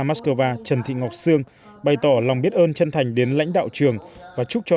mắc cơ va trần thị ngọc sương bày tỏ lòng biết ơn chân thành đến lãnh đạo trường và chúc cho